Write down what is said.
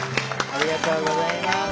ありがとうございます。